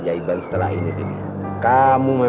jangan lupa untuk berikan duit